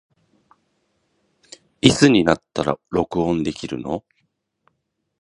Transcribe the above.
いつになったら録音できるの